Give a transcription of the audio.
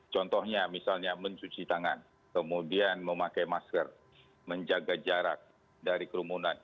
contohnya misalnya mencuci tangan kemudian memakai masker menjaga jarak dari kerumunan